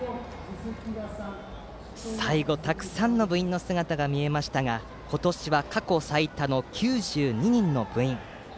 最後たくさんの部員の姿が見えましたが今年は過去最多の９２人の部員。